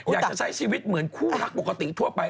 อยากจะใช้ชีวิตเหมือนคู่รักปกติทั่วไป